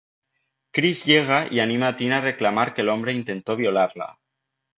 Chris llega y anima a Tina a reclamar que el hombre intentó violarla.